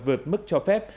vượt mức cho phép